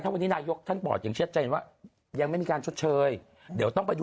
วันนี้นายกท่านบอกอย่างชัดเจนว่ายังไม่มีการชดเชยเดี๋ยวต้องไปดู